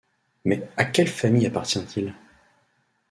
Mais à quelle famille appartient-il ?